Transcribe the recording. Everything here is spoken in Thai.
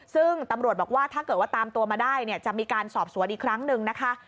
ซึ่งตำรวจบอกว่าถ้าเกิดว่าตามตัวมาได้เนี่ยจะมีการสอบสวนอีกครั้งหนึ่งนะคะ